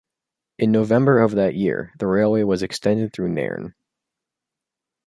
In November of that year, the railway was extended through to Nairne.